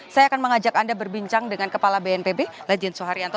saya akan mengajak anda berbincang dengan kepala bnpb lejen soeharyanto